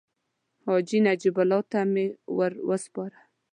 حاجي نجیب الله ته مې ورو سپاره.